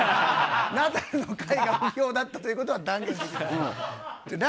ナダルの回が不評だったということは、断言できる。